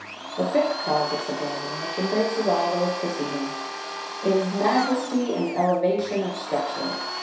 The fifth cause of sublimity, which embraces all those preceding, is (5) majesty and elevation of structure.